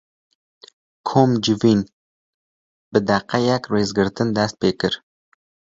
Komcivîn, bi deqeyek rêzgirtin dest pê kir